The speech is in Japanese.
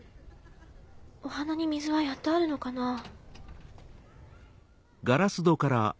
お花に水はやってあるのかなぁ。